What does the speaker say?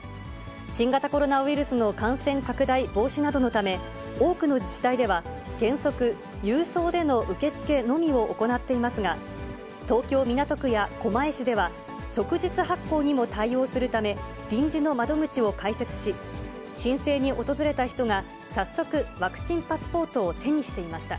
新型コロナウイルスの感染拡大防止などのため、多くの自治体では、原則、郵送での受け付けのみを行っていますが、東京・港区や狛江市では、即日発行にも対応するため、臨時の窓口を開設し、申請に訪れた人が早速、ワクチンパスポートを手にしていました。